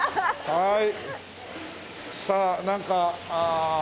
はい。